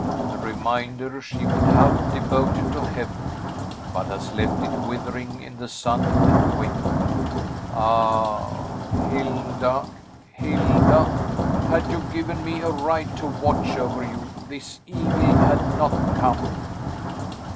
"The remainder she would have devoted to Heaven; but has left it withering in the sun and wind. Ah! Hilda, Hilda, had you given me a right to watch over you, this evil had not come!"